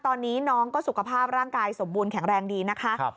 ตอนนี้น้องก็สุขภาพร่างกายสมบูรณแข็งแรงดีนะคะ